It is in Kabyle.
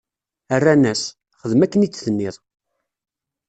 Rran-as: Xdem akken i d-tenniḍ!